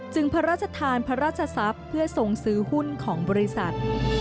พระราชทานพระราชทรัพย์เพื่อทรงซื้อหุ้นของบริษัท